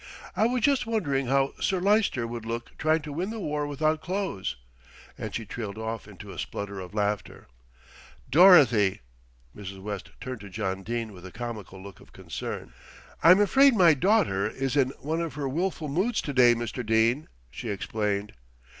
"I was just wondering how Sir Lyster would look trying to win the war without clothes," and she trailed off into a splutter of laughter. "Dorothy!" Mrs. West turned to John Dene with a comical look of concern. "I'm afraid my daughter is in one of her wilful moods to day, Mr. Dene," she explained.